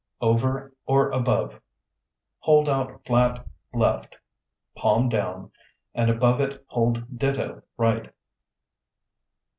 Over or Above (Hold out flat left, palm down, and above it hold ditto right).